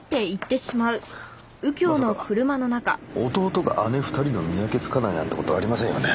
まさか弟が姉２人の見分けつかないなんて事ありませんよね？